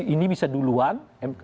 ini bisa duluan